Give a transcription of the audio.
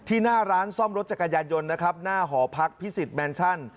หน้าร้านซ่อมรถจักรยานยนต์นะครับหน้าหอพักพิสิทธิแมนชั่น